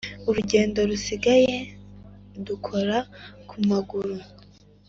urugendo rusigaye ndukora ku maguru